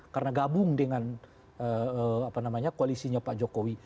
karena gabung dengan koalisinya pak jokowi